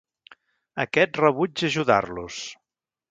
Aquest rebutja ajudar-los.